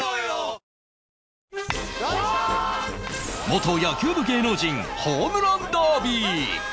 元野球部芸能人ホームランダービー